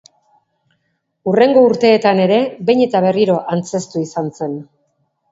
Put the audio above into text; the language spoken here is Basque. Hurrengo urteetan ere behin eta berriro antzeztu izan zen.